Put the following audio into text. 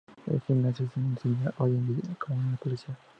El gimnasio es muy similar hoy en día como en la película.